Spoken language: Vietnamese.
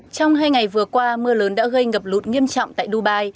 trong hai ngày vừa qua mưa lớn đã gây ngập lụt nghiêm trọng tại dubai